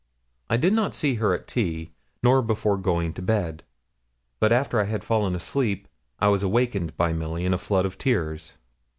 I did not see her at tea, nor before going to bed; but after I had fallen asleep I was awakened by Milly, in floods of tears.